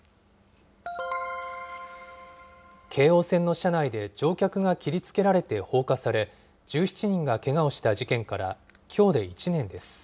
京王線の車内で乗客が切りつけられて放火され、１７人がけがをした事件からきょうで１年です。